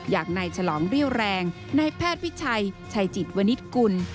อย่างนายฉลองเรี่ยวแรงนายแพทย์วิชัยชัยจิตวนิษฐกุล